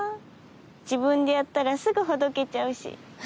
自分でやったらすぐほどけちゃうし。